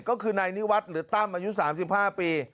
ก็คือนายนิวัฒน์หรือตั้มอายุ๓๕ปี